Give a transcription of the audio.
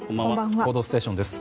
「報道ステーション」です。